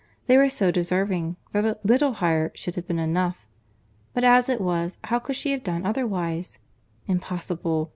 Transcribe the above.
They were so deserving, that a little higher should have been enough: but as it was, how could she have done otherwise?—Impossible!